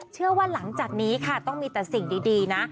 เชื่อว่าหลังจากนี้ค่ะต้องมีแต่สิ่งดีนะ